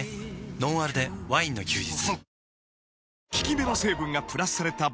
「ノンアルでワインの休日」